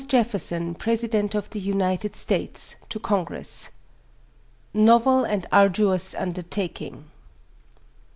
JEFFERSON, PRESIDENT OF THE UNITED STATES, TO CONGRESS. NOVEL AND ARDUOUS UNDERTAKING.